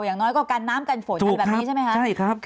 อย่างน้อยก็กันน้ำกันฝนอะไรแบบนี้ใช่ไหมคะใช่ครับ